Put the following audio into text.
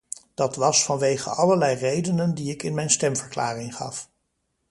Dat was vanwege allerlei redenen die ik in mijn stemverklaring gaf.